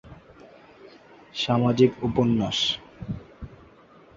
সামাজিক উপন্যাস।